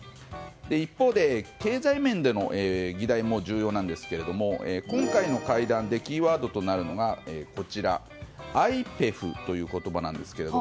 一方で経済面での議題も重要なんですが今回の会談でキーワードとなるのがＩＰＥＦという言葉です。